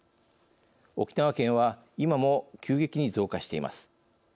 沖縄県は今も急激に増加しています。